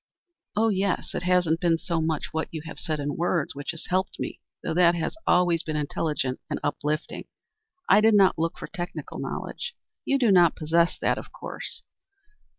"Oh, yes. It hasn't been so much what you have said in words which has helped me, though that has been always intelligent and uplifting. I did not look for technical knowledge. You do not possess that, of course.